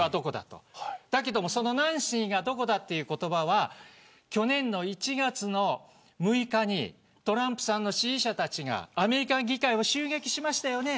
そのナンシーがどこだという言葉は去年の１月６日にトランプさんの支持者たちがアメリカ議会を襲撃しましたよね。